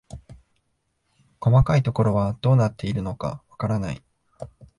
細かいところはどうなっているのかわからない